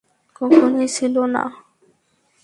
কখনোই ছিলো না।